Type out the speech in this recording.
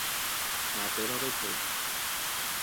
پرده را بکش!